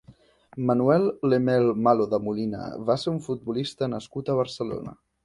Manuel Lemmel Malo de Molina va ser un futbolista nascut a Barcelona.